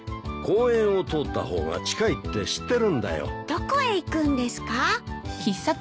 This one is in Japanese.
どこへ行くんですか？